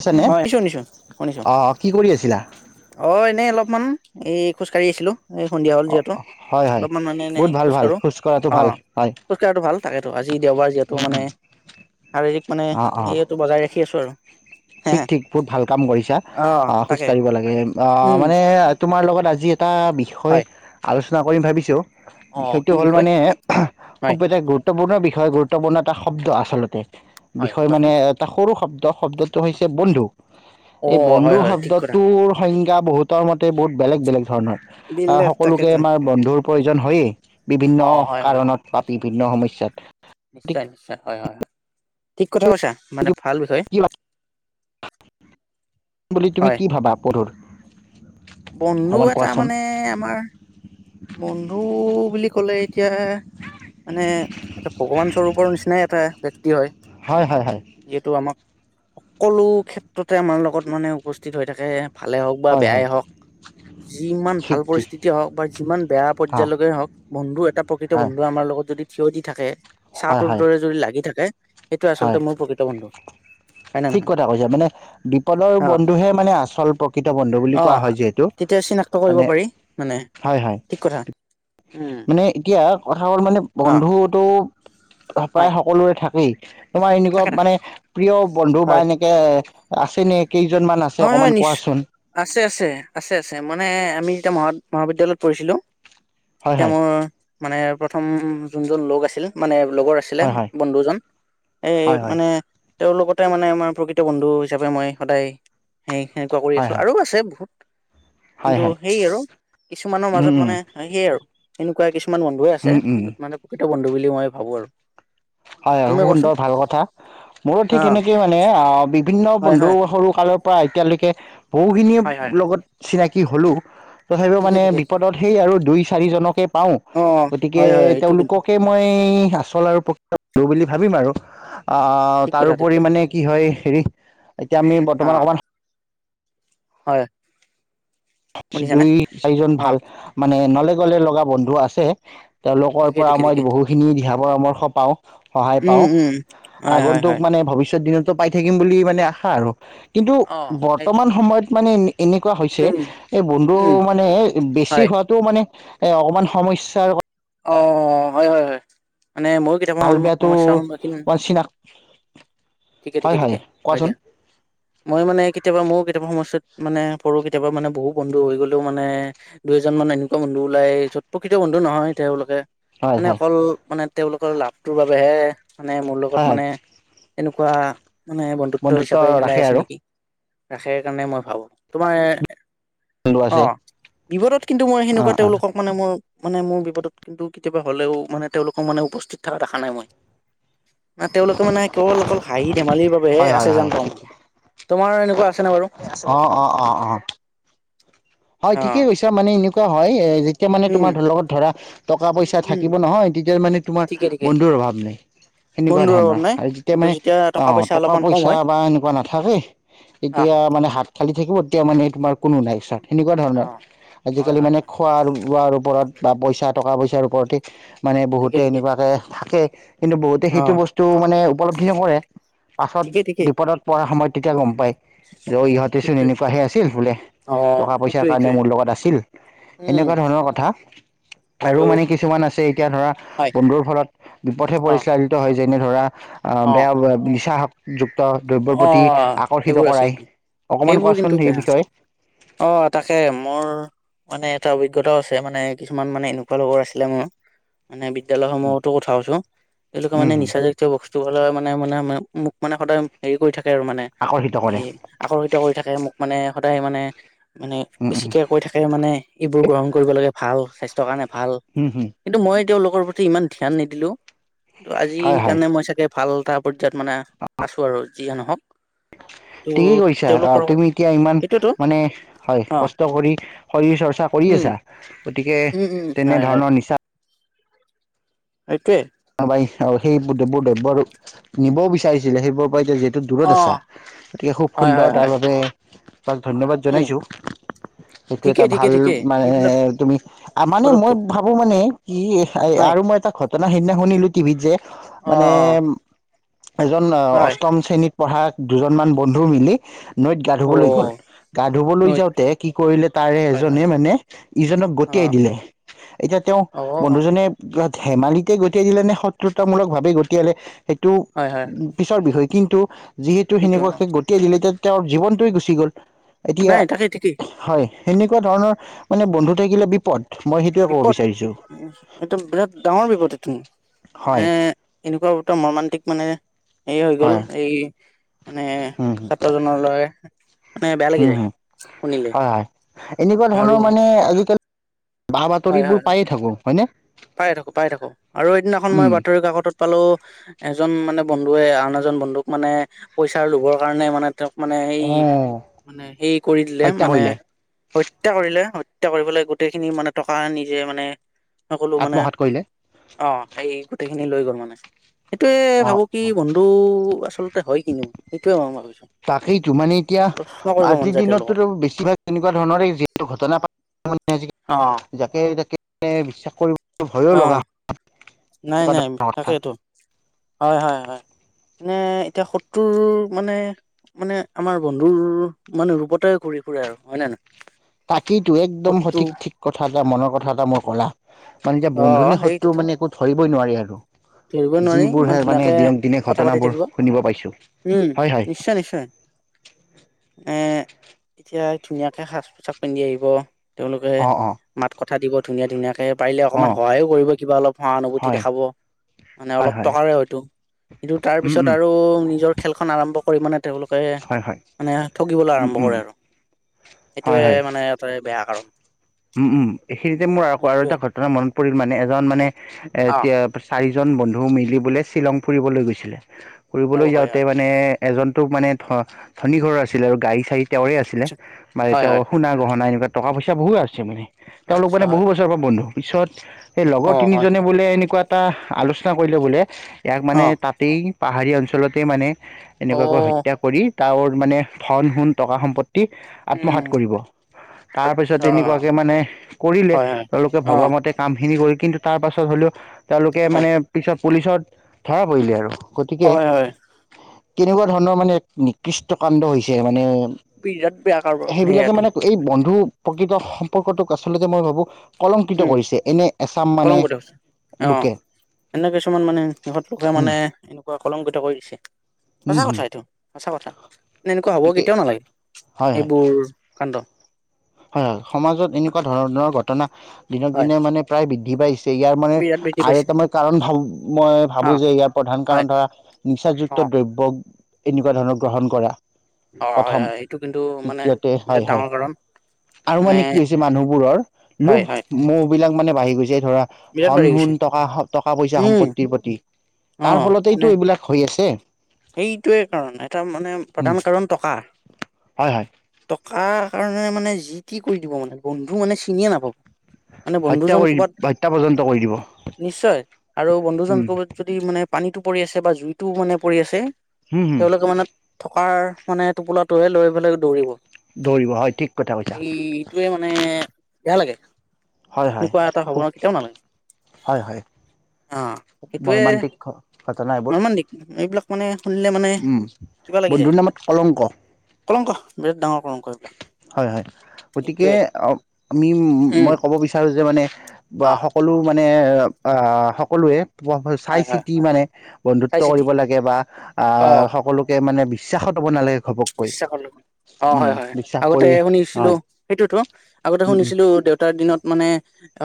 আছেনে হয় শুনিছো শুনিছো শুনিছো অ কি কৰি আছিলা এনে অলপমান এই খোজ কাঢ়ি আছিলো এই সন্ধিয়া হ'ল অ যিহেতু হয় হয় অলপমান মানে এনেই বহুত ভাল খোজ ভাল কঢ়ো কঢ়াটো অ ভাল হয় খোজ কঢ়াটো ভাল তাকেতো আজি দেওবাৰ যিহেতু মানে শাৰীৰিক মানে অ অ সেৰিয়টো বজাই ৰাখি আছো আৰু হে ঠিক হে ঠিক বহুত ভাল কাম কৰিছা অ খোজ তাকে কাঢ়িব লাগে অ উম মানে তোমাৰ লগত আজি এটা বিষয় হয় আলোচনা চনা কৰিম ভাবিছোঁ অ বিষয়টো কি হ'ল বিষয় মানে খুব হয় এটা গুৰুত্বপূৰ্ণ বিষ- বিষয়ে গুৰুত্বপূৰ্ণ এটা শব্দ আচলতে হয় বিষয় মানে কোৱাচোন এটা সৰু শব্দ এটা শব্দ টো হৈছে বন্ধু অ এই হয় বন্ধু হয় ঠিক কথা শব্দটোৰ সংজ্ঞা বহুতৰ মতে বহুত বেলেগ বেলেগ ধৰণৰ অহ বিলেপ সকলোকে তাকেতো আমাৰ বন্ধুৰ প্ৰয়োজন হৈয়ে অ বিভিন্ন হয় হয় কাৰণত পাপি বিভিন্ন সমস্যাত নিশ্চয় নিশ্চয় হয় হয় হয় ঠিক কথা কৈছা মানে ভাল বিষয় কি বুলি তুমি হয় কি ভাবা পদুৰ বন্ধু এটা মানে আমাৰ বন্ধু বুলি ক'লে এতিয়া মানে এটা ভগৱান স্বৰূপৰ নিচিনাই এটা ব্যক্তি হয় হয় হয় হয় যিহেতু আমাক সকলো ক্ষেত্ৰতে আমাৰ লগত মানে উপস্থিত হৈ থাকে ভালে হওক বা হয় বেয়াই হয় হওক যিমান ঠিক ভাল ঠিক পৰিস্থিতি হওক বা ইমান বেয়া অ পৰ্যয়ায়লৈকে হওক বন্ধু এটা প্ৰকৃত হয় বন্ধু আমাৰ লগত যদি থিয় দি থাকে হয় চাহটোৰ হয় দৰে যদি লাগি থাকে সেইটো আচলতে হয় মোৰ প্ৰকৃত বন্ধু হয় নে ঠিক নহয় কথা কৈছ মানে বিপদৰ অ বন্ধুহে মানে আচল প্ৰকৃত বন্ধু বুলি অ কোৱা হয় যিহেতু তেতিয়া চিনাক্ত কৰিব মানে পাৰি মানে হয় হয় ঠিক কথা উম মানে এতিয়া কথা হ'ল মানে অ বন্ধুটো প্ৰায় হয় সকলোৰে থাকেই হে তোমাৰ এনকোৱা থাকে থাকে মানে প্ৰিয় বন্ধু বা হয় এনেকে আছিলে হয় হয় নিশ্চয় আছে আছে আছে আছে মানে আমি এয়া মহা মহাবিদ্যালয়ত পঢ়ছিলো হয় এতিয়া হয় মোৰ মানে প্ৰথম যোনজন লগ আছিল মানে লগৰ আছিলে হয় হয় বন্ধুজন এই হয় হয় মানে তেওঁৰ লগতে মানে আমাৰ প্ৰকৃত বন্ধু হিচাপে মই সদায় সেই সেনেকোৱা কৰি হয় আছোঁ হয় আৰু আছে বহুত হয় কিন্তু হয় সেই আৰু কিছুমানৰ উম মাজত উম মানে সেইয আৰু এনেকোৱা কিছু কিমান বন্ধুৱে উম আছে উম মানে প্ৰকৃত বন্ধু বুলি মই ভাবো আৰু হয় হয় তুমি খুব কোৱাচোন সুন্দৰ ভাল কথা মোৰো অ ঠিক এনেকেই মানে অ বিভিন্ন হয় বন্ধু হয় সৰু কালত পৰা এতিয়ালৈকে বহুখিনিয়ে হয় হয় হয় লগত চিনাকি কি হ'লেও তথাপিও ঠিকে মানে ঠিকে বিপদত সেই আৰু দুই চাৰিজনকে পাওঁ অ গতিকে হয় হয় এইটো কিন্তু তেওঁলোককে মই আচল আৰু প্ৰ বুলি ভাবিম আৰু ঠিক কথা ঠিক তাৰোপৰি কথা মানে কি হয় হেৰি এতিয়া আমি অ বৰ্তমান অকণমান হয় শুনিছানে দুই চাৰিজন অ ভাল মানে ন গ'লে লগা বন্ধু আছে তেওঁলোকৰ ঠিকে পৰা ঠিকে ঠিকে মমই বহুখিনি দিহা পৰামৰ্শ পাওঁ সহায় উম পাও উম হয় হয় হয় আগন্তুক মানে ভৱিষ্যত দিনত পাই থাকিম বুলি মানে আশা আৰু কিন্তু অ সেইটো বৰ্তমান সময়ত মানে এনেকুৱা হৈছে উম এই বন্ধু উম মানে বেছি হয় হোৱাটো মানে এই অকমান সমস্যাৰ অ হয় হয় হয় মানে ময়ো ভাল কিতাপৰন্ বেয়াটো সমস্যয়াৰ সন্মুখীন অকমান চিনাক ঠিকে ঠিকে হয় ঠিকে হয় কোৱাচোন দিয়া মই মানে কেতিয়াবা ময়ো কিতাপৰ সময় মানে সৰু কেতিয়াবা মানে বহুত বন্ধু হৈ গ'লেও মানে দুই এজন মানে এনেকুৱা বন্ধু ওলাই চত প্ৰকৃত বন্ধু নহয়। তেওঁলোকে হয় মানে হয় অকল মানে তেওঁলোকৰ লাভটোৰ বাবেহে মানে মোৰ লগত হয় হয় মানে এনেকুৱা মানে বন্ধুত্ব হিচাপে মিলাই ৰাখে আছে আৰু নেকি ৰাখে কাৰণে মই ভাবো তোমাৰ বন্ধু অ আছে বিপদত কিন্তু মই অ সেনেকুৱা অ তেওঁলোকক মানে মোৰ মানে মোৰ বিপদত কিন্তু কেতিয়াবা হ'লেও মানে তেওঁলোকক মানে উপস্থিত থকা দেখা নাই মই, না তেওঁলোকে মানে কেৱল অকল হাঁহি ধেমালি হে হয় আছে যেন পাওঁ, তোমাৰ এনেকুৱা আছেনে বাৰু? অৱ অৱ অৱ অৱ হয় ঠিকে অ', কৈছা মানে এনেকুৱা হয় যেতিয়া মানে উম, তোমাৰ লগত ধৰা টকা পইচা উম, থাকিব নহয় তেতিয়া মানে তোমাৰ ঠিকে ঠিকে। বন্ধুৰ অভাৱ নাই, সেনেকুৱা বন্ধুৰ অভাৱ ধৰণৰ নাই আৰু যেতিয়া কিন্তু মানে অ পইচা টকা অলপমান কম পইচা হয় বা সেনেকুৱা নাথাকে অ', তেতিয়া মানে হাত খালি থাকিব তেতিয়া মানে তোমাৰ কোনো নাই। [unintelligible] সেনেকুৱা ধৰণৰ অ', হয় আজিকালি হয় মানে হয় খোৱা আৰু বোৱাৰ ওপৰত বা পইচা টকা পইচাৰ ওপৰতে মানে ঠিকে বহুতে ঠিকে এনেকুৱাকে থাকে কিন্তু বহুতে সেইটো অ', বস্তু মানে উপলব্ধি নকৰে পাছত ঠিকে ঠিকে বিপদত পৰা সময়ত তেতিয়া গম পাই যে অ ইহঁতেচোন সেইটোৱে এনেকুৱাহে আছিল বোলে। অ', টকা পইচাৰ সেইটোৱে কাৰণে সেইটোৱে মোৰ লগত আছিল উম, এনেকুৱা ধৰণৰ কথা। আৰু মানে কিছুমান আছে এতিয়া ধৰা হয় বন্ধুৰ ফলত বিপথে অ', পৰিচলালিত হৈছে যেনে ধৰা অ বেয়া নিচাসক্ত যুক্ত দ্ৰব্যৰ প্ৰতি অ', আকৰ্ষিত সেইবোৰ আছে কৰাই কিন্তু অকমান সেইবোৰ কিন্তু কোৱাচোন সেই বেয়া বিষয়ে অ তাকে মোৰ মানে এটা অভিজ্ঞতাও আছে মানে কিছুমান মানে এনেকুৱা লগৰ আছিলে মোৰ মানে বিদ্যালয়সমূহতো কথা কৈছো তেওঁলোকে উম মানে হম নিচা জাতীয় বস্তু হ'লে মানে মানে মে মোক মানে সদায় হেৰি কৰি থাকে আৰু মানে আকৰ্ষিত কৰে এই আকৰ্ষিত কৰি থাকে মোক মানে সদায় মানে মানে উম উম বেছিকৈ কৈ থাকে মানে এইবোৰ গ্ৰহণ কৰিব লাগে ভাল স্বাস্থ্যকাৰনে ভাল, হম হম কিন্তু মই তেওঁলোকৰ প্ৰতি ইমান ধ্যান নিদিলোঁ ত আজি হয় হয় সেইকাৰণে মই চাগে ভাল তাইপৰ মাজত মানে আছোঁ আৰু যিয়ে নহওঁক ঠিকেই কৰিছা আহ তুমি এতিয়া ইমান সেইটোৱেতো মানে হয় অ কষ্ট কৰি শৰীৰ চৰ্চা কৰি উম আছা গতিকে উম উম তেনে হয় ধৰণৰ নিচাঁ এইটো যে পাৰিছা সেইবোৰ দ্ৰব্য নিবও বিচাৰিছিলে সেইবোৰ এতিয়া যিহেতু অ দূৰত আছা গতিকে খুব হয় হয় সুন্দৰ তাৰ হয় বাবে হৌ হ তাক ধন্যবাদ উম জনাইছো সেইটো এটা ঠিকেই ঠিকে ভাল ঠিকেই মানে সেইবিলাক তুমি মানে মই পদক্ষেপ ভাবো মানে কি হয় আৰু মই এটা ঘটনা সিদিনা শুনিলো টিভিত যে অ মানে অ এজন হয় অষ্টম শ্ৰেণীত পঢ়া দুজনমান বন্ধু মিলি নৈত গা অ ধুবলৈ গল গা ধুবলৈ নৈত যাওঁতে কি কৰিলে তাৰে হয় হয় এজনে মানে ইজনক অ গতিয়াই দিলে এতিয়া তেওঁ অ বন্ধুজনে ধেমালিতে গতি গতিয়াই দিলে নে শত্ৰুতা মূলক ভাৱে গতিয়ালে সেইটো হয় হয় পিছৰ বিষয় কিন্তু যিহেতু কিন্তু অ সেনেকুৱাকে গতিয়াই দিলে তেওঁৰ জীৱনটোৱে গুচি গ'ল এতিয়া নাই তাকেই ঠিকেই হয় সেনেকুৱা ধৰণৰ মানে বন্ধু থাকিলে বিপদ মই সেইটোৱে ক'ব বিপদ বিচাৰিছো একদম বিৰাট ডাঙৰ বিপদ তুমি নে হয় এনেকুৱা উওম মৰমাণ্টিক মানে এই হৈ গল হয় এই মানে উম ছাত্ৰজনৰ লৰা মানে বেয়া লাগি উম যায় হম শুনিলে হয় হয় আৰু বাঁহ হয় হয় বাতৰিবোৰ পায়ে থাকো হয়নে পাই থাকোঁ পাই থাকোঁ আৰু সেদিনাখন মই উম বাতৰি কাকতত পালোঁ এজন মানে বন্ধুৱে আন এজন বন্ধুক মানে পইচা লবৰ কাৰণে মানে মানে এই অ মানে হেই কৰি দিলে হত্যা মানে কৰিলে হত্যা কৰিলে হত্যা কৰিবলৈ গোটেইখিনি মানে টকা নিজে মানে সকলো মানে আত্মসাত কৰিলে অ সেই গোটেইখিনি লৈ গ'ল মানে হয় সেইটোৱে অ ভাবো অ কি বন্ধু আচলতে হয় কিনো সেইটোৱে মই ভাবিছো তাকেইতো মানে এতিয়া প্ৰশ্ন কৰিব মন আজিৰ যায় তেওঁলোকক দিনততো বেছিভাগ অ নেআজিকালি যাকে তাকে বিশ্বাস কৰিব ভয়ো অ লগা হয় নাই এনেকুৱা নাই ধৰণৰ কথা তাকেইতো হয় হয় হয় মানে এতিয়া শত্ৰু মানে মানে আমাৰ বন্ধুৰ মানে ৰূপতে ঘূৰি ফুৰে আৰু হয় নে নহয় তাকেইতো একদম শত্ৰু সঠিক ঠিক কথা এটা মনৰ কথা এটা মই ক'লা মানে এতিয়া অ বন্ধু নে শত্ৰু সেইটোতো মানে একো ধৰি- বয় নোৱাৰি আৰু ধৰিব নোৱাৰি যিবোৰ ইমান হে মানে ধুনীয়াকে দিনক দিনে কথা পাতি ঘটনাবোৰ থাকিব শুনিব পাইছো উম হয় হয় নিশ্চয় নিশ্চয় এ এতিয়া ধুনীয়াকে সাজ পোছাক পিন্ধি আহিব তেওঁলোকে অ অ মাত কথা কথা দিব ধুনীয়া ধুনীয়াকে পাৰিলে অ অকণমান সহায়ো কৰিব কিবা অলপ সহানুভূতি হয় দেখাব মানে হয় অলপ হয় টকাৰে হয়তো কিন্তু তাৰ উম পিছত উম আৰু নিজৰ খেলখন আৰম্ভ কৰিব নে তেওঁলোকে হয় হয় মানে ঠগিবলৈ উম আৰম্ভ উম কৰে আৰু হয় সেইটোৱে হয় মানে এটাই বেয়া কাৰণ [inaudible] উম উম এইখিনিতে মোৰ আৰু আৰু সেইটোৱে এটা কথা মনত পৰিল মানে এজন মানে এ অ এতিয়া চাৰি জন বন্ধু মিলিবলৈ শ্বিলং ফুৰিবলৈ গৈছিলে অ ফুৰিবলৈ হয় যাওঁতে হয় মানে এজন তোক মানে ধ ধনী ঘৰৰ আছিলে আৰু গাড়ী চাৰি তেওঁৰে আছিলে আচ্ছা মানে হয় তেওঁৰ হয় হয় সুনা গহনা এনেকুৱা টকা পইছা বহু আছে আছে মানে তেওঁলোক আচ্ছা মানে হয় বহু হয় বছৰৰ পৰা বন্ধু পিছত সেই লগৰ অ হয় তিনিজনে বোলে এনেকুৱা এটা আলোচনা কৰিলে বোলে ইয়াক অ মানে তাতেই পাহাৰীয়া অঞ্চলতে মানে অ এনেকুৱাকৈ হত্যা কৰি তা ঘৰত মানে ধন সোণ টকা সম্পতি তি আত্মসাত উম কৰিব তাৰপিছত আচ্ছা তেনেকুৱা যে মানে কৰিলে হয় হয় তেওঁলোকে অ ভবা মতে কামখিনি হৈ কিন্তু তাৰ পাছত হ'লেও তেওঁলোকে হয় মানে পিছত পুলিচত ধৰা পৰিলে আৰু গতিকে, হয় হয় কেনেকোৱা ধৰণৰ মানে নিকৃষ্ট কাণ্ড হৈছে মানে বিৰাট বেয়া কাৰবাৰ সেইবিলাকে সেয়াটো মানে এই বন্ধু প্ৰকৃত সম সম্পৰ্কটোক আচলতে মই ভাবোঁ উম কৰিছে এনে এচাম মানে কলংগদেউচ অঁ লোকে এনে কিছুমান মানে সিহঁত লোকে হম, মানে এনেকোৱা কলংকিত কৰিছে। হম, সঁচা হম, কথা এইটো সঁচা কথা নে এনেকোৱা হ'ব গতিকে কেতিয়াও নালাগে হয় হয় এইবোৰ কাণ্ড। হয় হয় সমাজত এনেকোৱা ধৰণৰ ঘটনা দিনক হয় দিনে মানে প্ৰায় বৃদ্ধি ডিভাইছ্ এইয়াৰ মানে বিৰাট বৃদ্ধি আৰু পাইছে এটা মই কাৰণ ভাবোঁ মই অ ভাবোঁ যে ইয়াৰ প্ৰধান হয় কাৰণ ধৰা অ নিচাযুক্ত দ্ৰব্য। তেনেকুৱা ধৰণৰ গ্ৰহণ কৰা। অ হয় প্ৰথম হয় এইটো কিন্তু মানে দ্বিতীয়তে হয় বিৰাট হয় ডাঙৰ কাৰণ। আৰু মানে কি হৈছে মানুহবোৰৰ হয় লোভ হয় মোহ বিলাক মানে নে বাঢ়ি গৈছে। ধৰা বিৰাট ধন বাঢ়ি গৈছে সোণ টকা টকা পইচা উম সম্পত্তিৰ প্ৰতি অ তাৰ মানে ফলতেইটো এইবিলাক হৈ আছে। সেইটোৱে কাৰণ এটা মানে উম প্ৰধান কাৰণ টকা। হয় হয় কাৰ কাৰণে মানে যি টি কৰি দিব মানে বন্ধু মানে চিনিয়ে নাপাব। মানে হত্যা বন্ধুজন কৰি হত্যা পৰ্যন্ত ক'বাত কৰি দিব নিশ্চয় আৰু বন্ধুজন উম ক'বাত যদি মানে পানীটো পৰি আছে বা জুইটো মানে পৰি আছে। হম হম টকাৰ মানে টোপোলাটোহে লৈ পেলাই দৌৰিব দৌৰিব হয় ঠিক কথা কৈছা এই ইটোৱে মানে বেয়া লাগে। হয় হয় এনেকুৱা এটা হ'ব খুব কেতিয়াও নালাগে হয় হয় অ সেইটোৱে মৰ্মান্তিক ঘটনা এইবোৰ। ইমান দিগ এইবিলাক মানে শুনিলে মানে উম কিবা লাগি যায় বন্ধুৰ নামত কলংক কলংক বিৰাট ডাঙৰ কলংক এইবিলাক হয় হয় গতিকে এইটোৱে অ আমি উম মই ক'ব বিচাৰো যে যে মানে বা অ সকলো মানে মানে সকলোৱে বাৰ্তা চাই হয় হয় চিতি মানে চাই বন্ধুত্ব চিতি কৰিব লাগে বা অ আহ সকলোকে মানে বিশ্বাসত ল'ব নালাগে। ঘপককৈ বিশ্বাস অ উম, হয় হয় বিশ্বাস আগতে তে কৰি শুনিছিলো হয় সেইটোতো আগতে শুনিছিলো দেউতাৰ দিনত মানে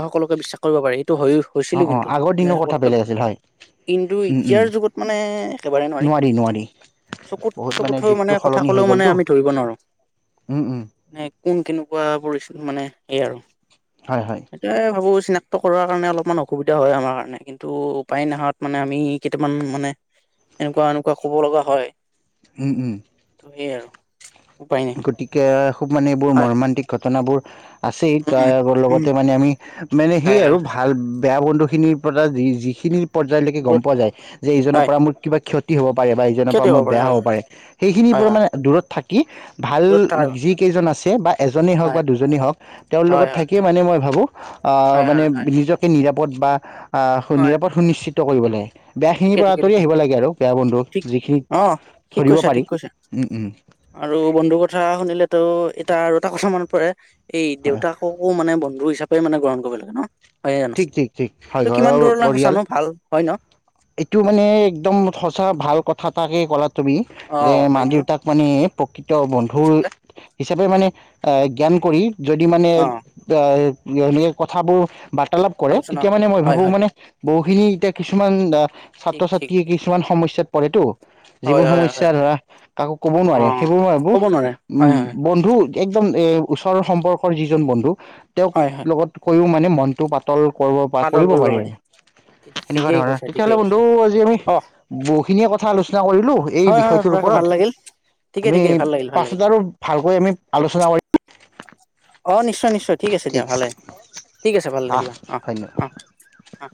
সকলোকে বিশ্বাস কৰিব পাৰি। অঁ হৈছিলো অঁ কিন্তু আগৰ মানে দিনৰ সকল কথা বেলেগ আছিল হয় কিন্তু উম উম, এতিয়াৰ যুগত মানে একেবাৰে নোৱাৰি। চকুত বহুত চকুত হৈ মানে যুগটো কথা সলনি হৈ কলেও মানে গ'লতো আমি ধৰিব নোৱাৰো। উম উম, কোন কেনেকুৱা পৰিস্থিতিৰ মানে এই আৰু হয় হয় এতিয়া ভাবো চিনাক্ত কৰাৰ কাৰণে অলপমান অসুবিধা হয় আমাৰ কাৰণে। কিন্তু উপায় নহত মানে আমি কেইটামান মানে এনেকুৱা এনেকুৱা কব লগা হয়। উম উম। সেয়াই আৰু উপায় নাই গতিকে খুব মানে এইবোৰ হয় মৰ্মান্তিক ঘটনাবোৰ আছেই উম তাৰ উম লগতে মানে আমি মানে হয় সেয় আৰু হয় ভাল বেয়া বন্ধুখিনিৰ পৰা যি যিখিনি পৰ্যায়লৈকে গম দূৰত পোৱা যায় যে ইজনৰ হয় পৰা মোৰ কিবা ক্ষতি কি হব বা ইজনৰ কিয় পৰা দিব মোৰ বেয়া হয় হ'ব হয় পাৰে ।সেইখিনিৰ হয় পৰা হয় মানে দূৰত থাকি ভাল দূৰত থাকাই ভাল যিকেইজন ছে বা এজনেই হওঁক হয় বা দুজনেই হওঁক তেওঁৰ লগত হয় হয় থাকিয়ে মানে মই ভাবোঁ হয় মানে হয় হয় নিজকে নিৰাপত্তা পদ বা অ সুনি হয় পথ সুনিশ্চিত মুক্ত কৰিব লে বেয়াখিনিৰ ঠিকে পৰা ঠিকে আঁতৰি ঠিকে আহিব লাগে আৰু বেয়া বন্ধু ঠিক যিখিনি অ ঠিক ধৰিব কৈছা পাৰি ঠিক কৈছা আৰু বন্ধুৰ কথা শুনিলেতো এইতা আৰু এটা কথা মনত পৰে এই হয় দেউতাককো মানে বন্ধু হিচাপে কৰি মানে গ্ৰহণ কৰিব লাগে ন হয় জানো ঠিক ঠিক ঠিক হয় ত কিমান ঘৰৰ দূৰলৈ পৰিয়াল সচাঁনো ভাল হয় ন এইটো মানে একদম সঁচা ভাল কথা তাহে কলাত তুমি অ যে মা হয়তো দেউতাক মানে প্ৰকৃত বন্ধু বন্ধুৰ হিচাপে হিচাপে মানে এ জ্ঞান কৰি যদি মানে অ জ্ঞানী কথাবোৰ তালাপ কৰে আলোচনা তেতিয়া মানে মই হয় ভাবো হয় মানে বহুখিনি এতিয়া কিছুমান দা ঠিক ঠিক ছাত্ৰ-ছাত্ৰীয়ে কিছুমান সমস্যা ছেত পঢ়েটো হয় জীৱন হয় সমস্যা হয় হয় ধৰা কাকো ক'বও অ নোৱাৰে সেইবোৰ এইবোৰ ক'ব নোৱাৰে উম হয় হয় বন্ধু একদম এ ওচৰৰ সম্পৰ্কৰ যিজন বন্ধু তেওঁক হয় হয় লগত কৈও মান নে মন টো পাতল কৰিব পা কৰিব পাৰি সেনেকুৱা ঠিকেই ধৰণৰ কৈছা ঠিকেই তেতিয়াহ'লে কৈছা বন্ধু আজি আমি অ বহুখিনিয়ে কথা আলোচনা কৰিলো এই হয় হয় বিষয়টোৰ ভাল লাগিল ওপৰত ঠিকে আমি ঠিকে ভাল লাগিল ভাল লাগিল পাছত আৰু ভালকৈ আমি আলোচনা কৰিম অ নিশ্চয় নিশ্চয় ঠিক আছে দিয়া ভালে ঠিক আছে ভালে আহ থাকিবা অৱ ধন্যবাদ অৱ অৱ